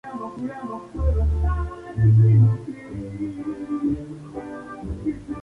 Como un resultado, varios diseños de acorazados rápidos potencialmente significativos no lograron ser realidad.